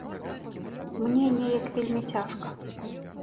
Мне неяк вельмі цяжка.